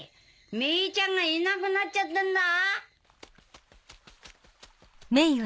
メイちゃんがいなくなっちゃったんだ！